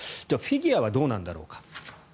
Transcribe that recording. では、フィギュアはどうなんだろうか。